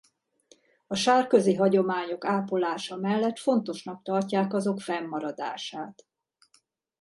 A sárközi hagyományok ápolása mellett fontosnak tartják azok fennmaradását.